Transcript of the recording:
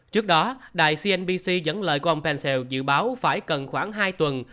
trước đó đài cnbc dẫn lời của ông pencell dự báo phải cần khoảng hai tuần